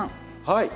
はい。